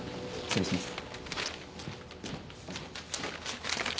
失礼します。